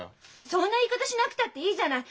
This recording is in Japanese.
そんな言い方しなくたっていいじゃない！